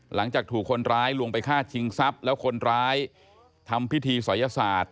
หลังจากถูกคนร้ายลวงไปฆ่าชิงทรัพย์แล้วคนร้ายทำพิธีศัยศาสตร์